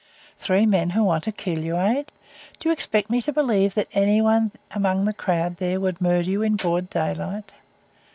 "Three men who want to kill you, eh? Do you expect me to believe that anybody among the crowd there would murder you in broad daylight?